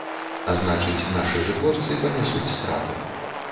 А значыць, нашы вытворцы панясуць страты.